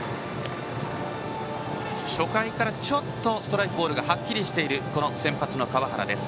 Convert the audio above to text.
初回からちょっとストライクボールがはっきりしている先発の川原です。